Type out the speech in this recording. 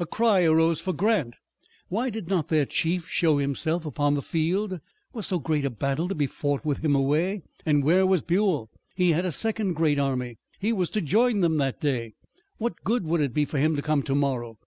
A cry arose for Grant. Why did not their chief show himself upon the field! Was so great a battle to be fought with him away? And where was Buell? He had a second great army. He was to join them that day. What good would it be for him to come tomorrow?